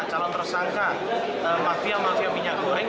calon tersangka mafia mafia minyak goreng